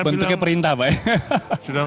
bentuknya perintah pak ya